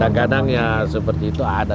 kadang kadang ya seperti itu ada